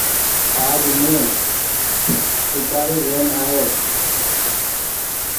آج مين ائيٽآڙي لين آيو ۔